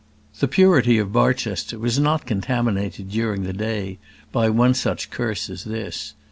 The purity of Barchester was not contaminated during the day by one such curse as this.